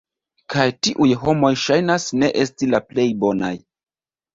Kaj tiuj homoj ŝajnas ne esti la plej bonaj